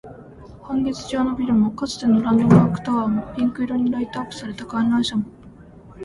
半月状のビルも、かつてのランドマークタワーも、ピンク色にライトアップされた観覧車も